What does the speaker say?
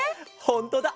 ほんとだ！